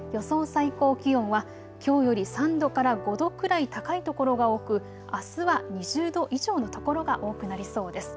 最高気温はきょうより３度から５度くらい高い所が多く、あすは２０度以上の所が多くなりそうです。